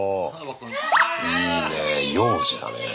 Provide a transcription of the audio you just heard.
いいねえ幼児だね。